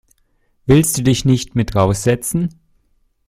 Willst du dich nicht mit raus setzen?